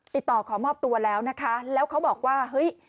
ติดต่อขอมอบตัวแล้วนะคะแล้วเขาบอกว่าเฮ้ย